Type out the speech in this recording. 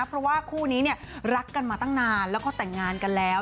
เพราะว่าคู่นี้เนี่ยรักกันมาตั้งนานแล้วก็แต่งงานกันแล้ว